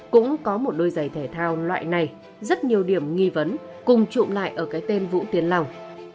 cũng có một đôi giày thể thao loại này rất nhiều điểm nghi vấn cùng trụ lại ở cái tên vũ tiến lòng